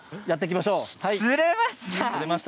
やっていきましょう。